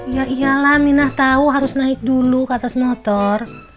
ya iyalah minah tahu harus naik dulu ke atas motor